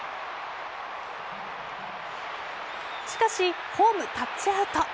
しかし、ホームタッチアウト。